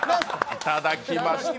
いただきました！